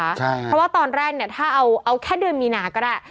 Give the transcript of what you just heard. เพราะว่าตอนแรกเนี่ยถ้าเอาแค่เดือนมีนาก็ได้